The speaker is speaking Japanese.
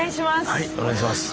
はいお願いします。